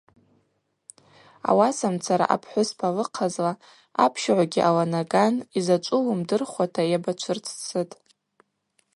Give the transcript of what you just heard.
Ауасамцара апхӏвыспа лыхъазла апщыгӏвгьи аланаган йзачӏву уымдырхуата йабачвырццытӏ.